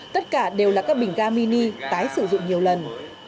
tất cả đều là các bình ga mini tái sử dụng nhiều lần